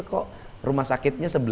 kok rumah sakitnya sebelas